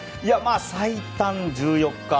最短１４日。